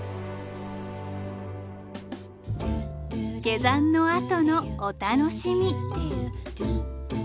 下山のあとのお楽しみ。